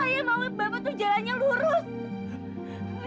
ayah mau bapak itu jalannya lurus